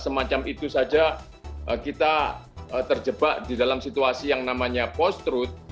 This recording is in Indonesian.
semacam itu saja kita terjebak di dalam situasi yang namanya post truth